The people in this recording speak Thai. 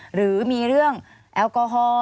หรือมีเรื่องแอลกอฮอล์